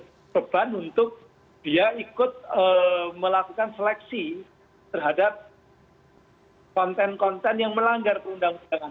ini adalah beban untuk dia ikut melakukan seleksi terhadap konten konten yang melanggar perundang undangan